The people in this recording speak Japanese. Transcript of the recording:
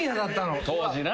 当時な。